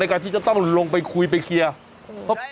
การที่จะต้องลงไปคุยไปเคลียร์